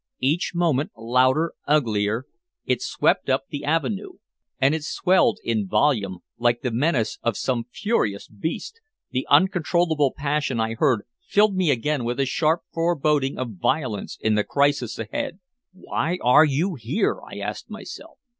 Each moment louder, uglier, it swept up the Avenue. And as it swelled in volume, like the menace of some furious beast, the uncontrollable passion I heard filled me again with a sharp foreboding of violence in the crisis ahead. "Why are you here?" I asked myself.